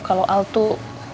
kalau al tuh